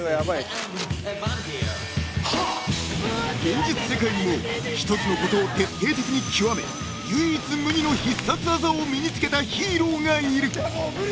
［現実世界にも一つのことを徹底的に極め唯一無二の必殺技を身に付けたヒーローがいる］